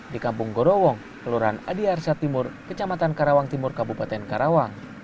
di kampung gorowong kelurahan adi arsa timur kecamatan karawang timur kabupaten karawang